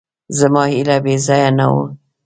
زما هیله بېځایه نه وه.